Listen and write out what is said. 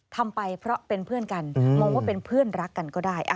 ทำไปเพราะเป็นเพื่อนกันมองว่าเป็นเพื่อนรักกันก็ได้